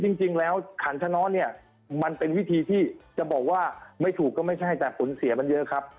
จริงแล้วขันชะน้อนเนี่ยมันเป็นวิธีที่จะบอกว่าไม่ถูกก็ไม่ใช่แต่สูญเสียมันเยอะครับ